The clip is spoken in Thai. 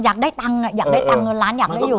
อยากได้ตังค์อยากได้ตังค์เงินล้านอยากได้อยู่